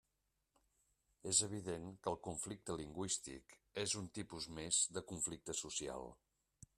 És evident que el conflicte lingüístic és un tipus més de conflicte social.